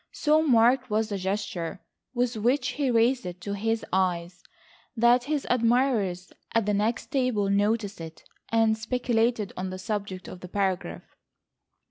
So marked was the gesture with which he raised it to his eyes that his admirers at the next table noticed it, and speculated on the subject of the paragraph.